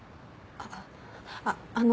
ああっあの。